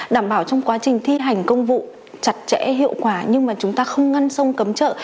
đảm bảo trong quá trình thi hành công vụ chặt chẽ hiệu quả nhưng mà chúng ta không ngăn sông cấm chợ